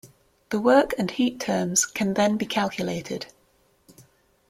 The work and heat terms can then be calculated.